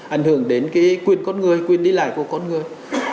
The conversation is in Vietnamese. ảnh hưởng đến cái quyền con người quyền đi lại của con người